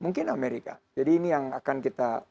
buat kita widespread tumbuh biasanya tidak kendirian